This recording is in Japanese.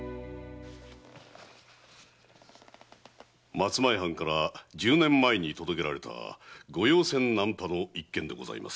松前藩から十年前に届けられた御用船難破の一件でございます。